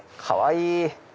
かわいい！